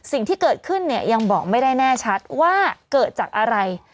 สิ่งที่เกิดขึ้นเนี่ยยังบอกไม่ได้แน่ชัดว่าเกิดจากอะไร